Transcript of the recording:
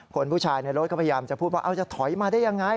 คนผู้ชายในรถก็พยายามจะพูดว่าจะถอยมาได้ยังไง